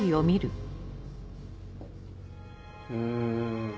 うん。